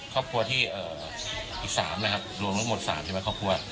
ครอบครัวที่๓นะค่ะรวมกันหมด๓ใช่ไหมครอบครัว